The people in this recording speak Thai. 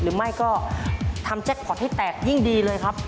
หรือไม่ก็ทำแจ็คพอร์ตให้แตกยิ่งดีเลยครับ